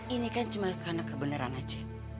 ini kan cuma karena kebenaran aja